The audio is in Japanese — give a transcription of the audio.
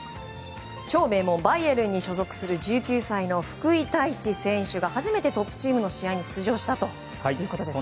超名門バイエルンに所属する１９歳の福井太智選手が初めてトップチームの試合に出場したということですね。